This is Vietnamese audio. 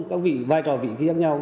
các vị vai trò vị khác nhau